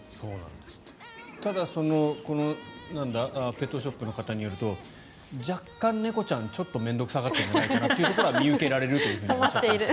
ただペットショップの方によると若干、猫ちゃんはちょっと面倒くさがってるんじゃないかなというところは見受けられると。